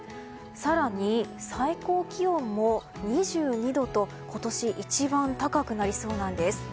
更に、最高気温も２２度と今年一番高くなりそうなんです。